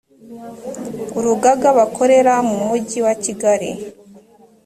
urugaga bakorera mu mujyi wa kigali